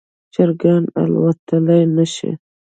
چرګان الوتلی نشي